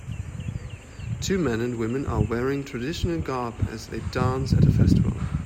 Two men and a woman are wearing traditional garb as they dance at a festival